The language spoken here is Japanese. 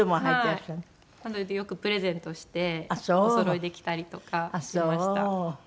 なのでよくプレゼントしておそろいで着たりとかしてました。